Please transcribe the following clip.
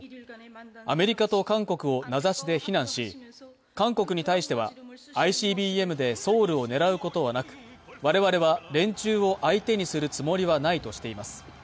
アメリカと韓国を名指しで非難し、韓国に対してはＩＣＢＭでソウルを狙うことはなく、我々は連中を相手にするつもりはないとしています。